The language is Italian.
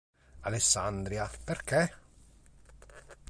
Alessandria perché?